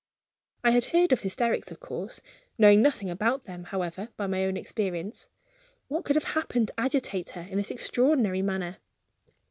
I had heard of hysterics, of course; knowing nothing about them, however, by my own experience. What could have happened to agitate her in this extraordinary manner?